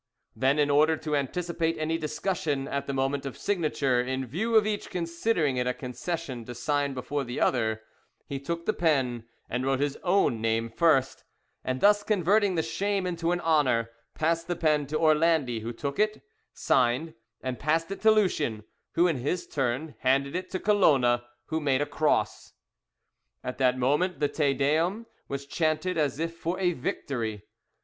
Then, in order to anticipate any discussion at the moment of signature, in view of each considering it a concession to sign before the other, he took the pen and wrote his own name first, and thus converting the shame into an honour, passed the pen to Orlandi, who took it, signed, and passed it to Lucien, who in his turn handed it to Colona, who made a cross. At that moment the Te Deum was chanted as if for a victory.